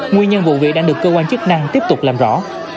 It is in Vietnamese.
nguyên nhân vụ việc đang được cơ quan chức năng tiếp tục làm rõ